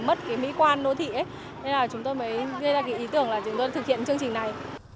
mất cái mỹ quan nội thị ấy thế là chúng tôi mới gây ra cái ý tưởng là chúng tôi thực hiện chương trình này